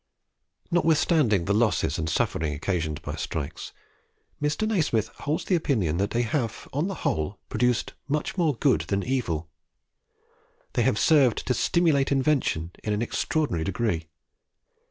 Notwithstanding the losses and suffering occasioned by strikes, Mr. Nasmyth holds the opinion that they have on the whole produced much more good than evil. They have served to stimulate invention in an extraordinary degree.